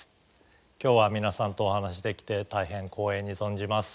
今日は皆さんとお話しできて大変光栄に存じます。